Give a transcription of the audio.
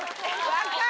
分かる！